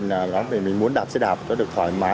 cái bì này con bỏ luôn